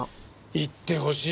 言ってほしい？